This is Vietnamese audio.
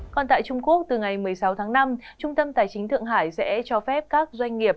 còn tại trung quốc từ ngày một mươi sáu tháng năm trung tâm tài chính thượng hải sẽ cho phép các doanh nghiệp